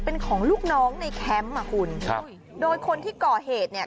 เป็นของลูกน้องในแคมป์อ่ะคุณครับโดยคนที่ก่อเหตุเนี่ย